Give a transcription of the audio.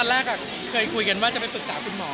ไม่เราตั้งใจว่าจะธรรมชาตินะครับ